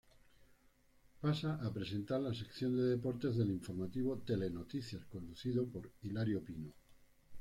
Pasa a presentar la sección de deportes del informativo "Telenoticias", conducido por Hilario Pino.